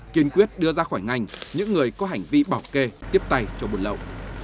kiên quyết đưa ra khỏi ngành những người có hành vi bỏ kê tiếp tay cho buôn lậu